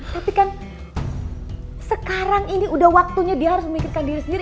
tapi kan sekarang ini udah waktunya dia harus memikirkan diri sendiri